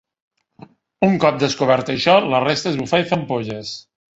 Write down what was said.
Un cop descobert això, la resta és bufar i fer ampolles.